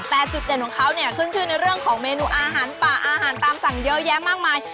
แต่จุดเด่นของเขาเนี่ยขึ้นชื่อในเรื่องของเมนูอาหารป่าอาหารตามสั่งเยอะแยะมากมาย